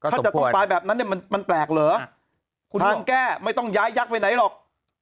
ถ้าจะตกตายแบบนั้นมันแปลกเหรอทางแก้ไม่ต้องย้ายักษ์ไปไหนหรอก